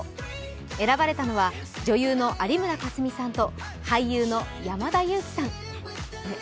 選ばれたのは女優の有村架純さんと俳優の山田裕貴さん。